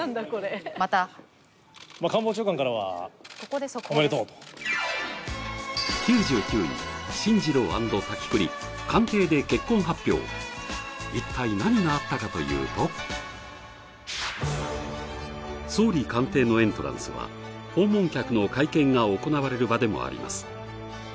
また一体何があったかというと総理官邸のエントランスは訪問客の会見が行われる場でもあります